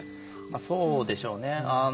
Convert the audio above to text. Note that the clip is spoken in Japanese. そうでしょうね。